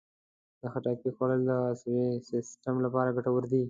د خټکي خوړل د عصبي سیستم لپاره ګټور دي.